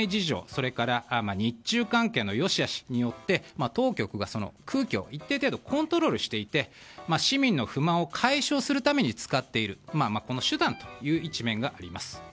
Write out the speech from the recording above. それから日中関係の良し悪しによって当局が空気を一定程度コントロールしていて市民の不満を解消するために使っている手段という一面があります。